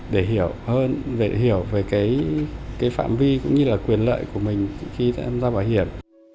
để hiểu hơn để hiểu về cái phạm vi cũng như là quyền lợi của mình khi tham gia bảo hiểm